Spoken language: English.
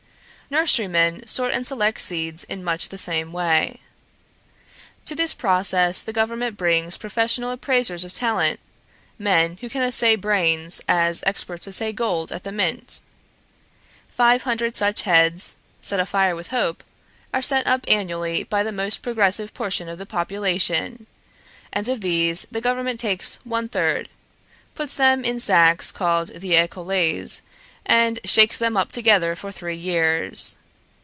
Nurserymen sort and select seeds in much the same way. To this process the Government brings professional appraisers of talent, men who can assay brains as experts assay gold at the Mint. Five hundred such heads, set afire with hope, are sent up annually by the most progressive portion of the population; and of these the Government takes one third, puts them in sacks called the Écoles, and shakes them up together for three years.